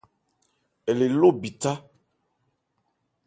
Ɛ le ló bithá.